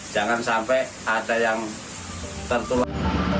jangan sampai ada yang tertular